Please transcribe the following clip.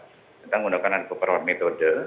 kita menggunakan beberapa metode